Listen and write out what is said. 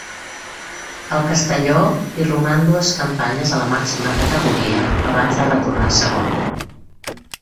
El Castelló hi roman dues campanyes a la màxima categoria abans de retornar a Segona.